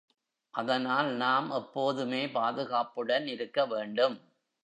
அதனால் நாம் எப்போதுமே பாதுகாப்புடன் இருக்க வேண்டும்.